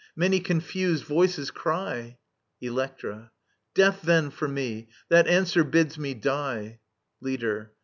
Many confused voices cry ••• Electra. Death, then for me I That answer bids me die. Leader.